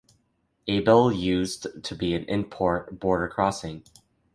Abele used to be an import border crossing.